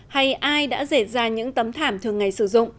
hay ai đã rể ra những tấm thảm thường